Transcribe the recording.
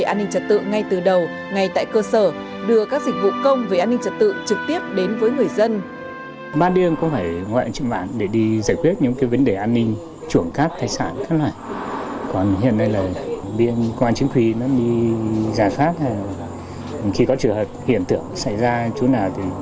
an ninh trật tự ngay từ đầu ngay tại cơ sở đưa các dịch vụ công về an ninh trật tự trực tiếp đến với người dân